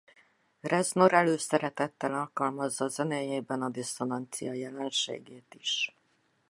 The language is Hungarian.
Reznor előszeretettel alkalmazza zenéjében a disszonancia jelenségét is.